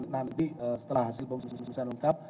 nanti setelah hasil pemeriksaan lengkap